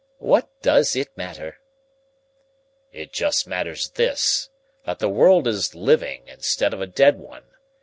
"What does it matter?" "It just matters this, that the world is a living instead of a dead one.